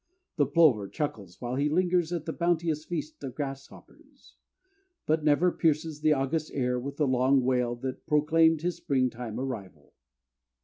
The plover chuckles while he lingers at the bounteous feast of grasshoppers, but never pierces the August air with the long wail that proclaimed his springtime arrival.